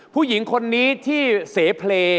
ผู้หญิงคนนี้ที่เสเพลย์